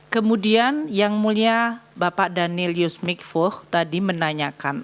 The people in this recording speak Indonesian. kemudian yang mulia bapak daniel yus mikfoh tadi menanyakan